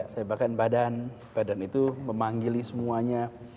saya bahkan badan badan itu memanggili semuanya